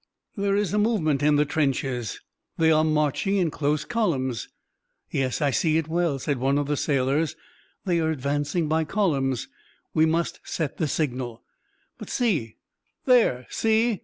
"'There is a movement in the trenches; they are marching in close columns.' "'Yes, I see it well,' said one of the sailors; 'they are advancing by columns. We must set the signal.' "'But see, there see!